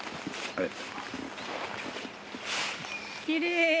きれい！